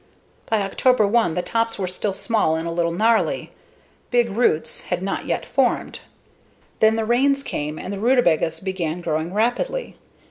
By October 1 the tops were still small and a little gnarly; big roots had not yet formed. Then the rains came and the rutabagas began growing rapidly.